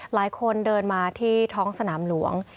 หลายคนเดินมาที่ท้องสนามหลวง